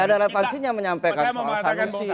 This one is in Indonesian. enggak ada relevansinya menyampaikan soal sanusi